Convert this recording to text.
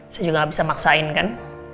saya juga gak bisa maksain kan